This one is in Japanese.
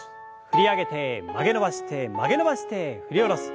振り上げて曲げ伸ばして曲げ伸ばして振り下ろす。